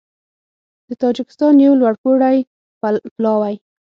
د تاجېکستان یو لوړپوړی پلاوی